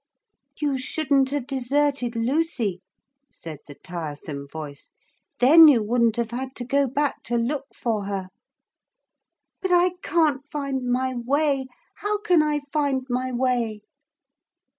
'You shouldn't have deserted Lucy,' said the tiresome voice, 'then you wouldn't have had to go back to look for her.' 'But I can't find my way. How can I find my way?'